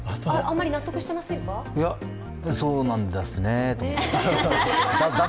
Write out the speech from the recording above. いやそうなんですねと。